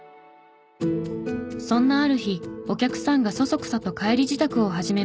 そんなある日お客さんがそそくさと帰り支度を始めました。